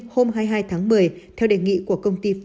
hôm hai mươi hai tháng một mươi theo đề nghị của công ty fin